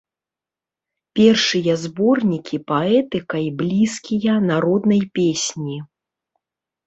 Першыя зборнікі паэтыкай блізкія народнай песні.